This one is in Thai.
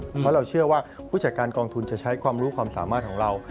เพราะเราเชื่อว่าผู้จัดการกองทุนจะใช้ความรู้ความสามารถของเรา